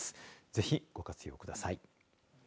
ぜひ、ご活用ください。